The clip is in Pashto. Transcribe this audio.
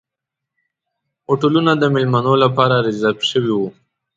هوټلونه د میلمنو لپاره ریزرف شوي وو.